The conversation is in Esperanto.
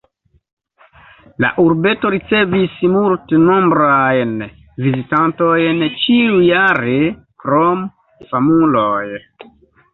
La urbeto ricevis multnombrajn vizitantojn ĉiujare krom famuloj.